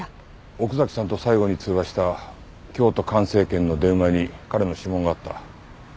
奥崎さんと最後に通話した京都環生研の電話に彼の指紋があった。